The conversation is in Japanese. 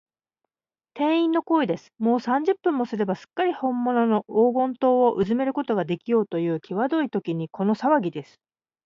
店員の声です。もう三十分もすれば、すっかりほんものの黄金塔をうずめることができようという、きわどいときに、このさわぎです。